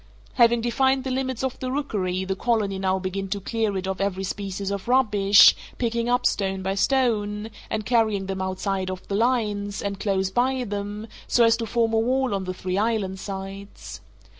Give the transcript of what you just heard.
Having defined the limits of the rookery, the colony now begin to clear it of every species of rubbish, picking up stone by stone, and carrying them outside of the lines, and close by them, so as to form a wall on the three inland sides.